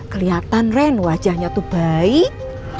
kelihatan ren wajahnya itu baik